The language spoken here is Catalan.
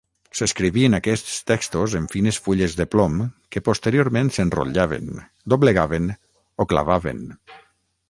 S'escrivien aquests textos en fines fulles de plom que posteriorment s'enrotllaven, doblegaven o clavaven.